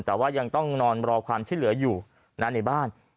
แต่ว่ายังต้องนอนรอความช่วยเหลืออยู่ในบ้าน